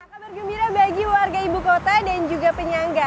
kabar gembira bagi warga ibu kota dan juga penyangga